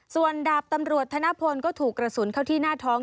ส่วนดาบตำรวจธนพลก็ถูกกระสุนเข้าที่หน้าท้อง